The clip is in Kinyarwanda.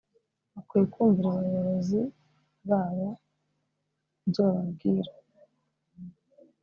Bakwiye kumvira abayobozi babo ibyo bababwira…”